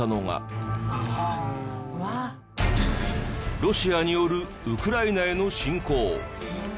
ロシアによるウクライナへの侵攻。